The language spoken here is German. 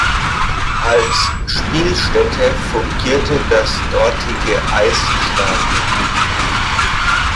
Als Spielstätte fungierte das dortige Eisstadion.